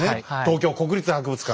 東京国立博物館が。